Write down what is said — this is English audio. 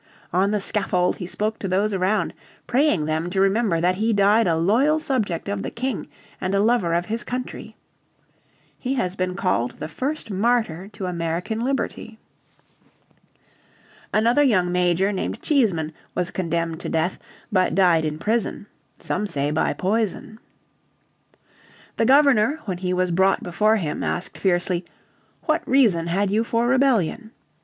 On the scaffold he spoke to those around, praying them to remember that he died a loyal subject of the King, and a lover of his country. He has been called the first martyr to American liberty. Another young Major named Cheesman was condemned to death, but died in prison, some say by poison. The Governor, when he was brought before him, asked fiercely: "What reason had you for rebellion?"